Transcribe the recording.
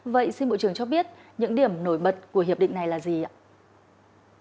vậy xin bộ trưởng cho biết những điểm nổi bật của hiệp định này là gì ạ